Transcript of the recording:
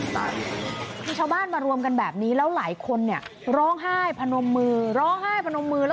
คือชาวบ้านมารวมกันแบบนี้แล้วหลายคนเนี่ยร้องไห้พนมมือร้องไห้พนมมือ